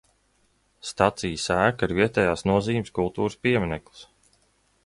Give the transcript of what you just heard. Stacijas ēka ir vietējās nozīmes kultūras piemineklis.